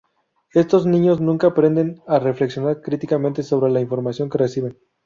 Estos niños nunca aprenden a reflexionar críticamente sobre la información que reciben.